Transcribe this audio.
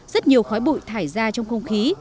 rất nhiều khói bụi thải ra trong không khí